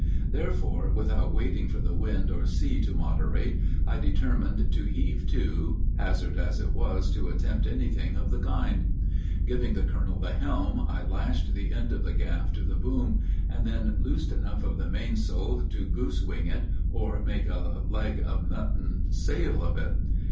Therefore, without waiting for the wind or sea to moderate, I determined to heave to, hazardous as it was to attempt anything of the kind. Giving the colonel the helm, I lashed the end of the gaff to the boom, and then loosed enough of the mainsail to goose wing it, or make a leg of mutton sail of it.